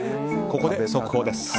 ここで速報です。